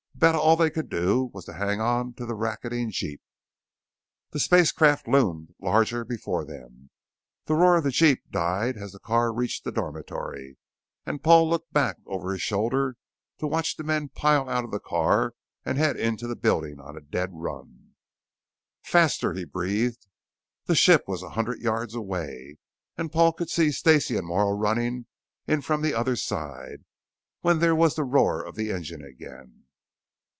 About all they could do was to hang onto the racketing jeep. The spacecraft loomed larger before them. The roar of the jeep died as the car reached the dormitory, and Paul looked back over his shoulder to watch the men pile out of the car and head into the building on a dead run. "Faster!" he breathed. The ship was a hundred yards away and Paul could see Stacey and Morrow running in from the other side when there was the roar of the engine again.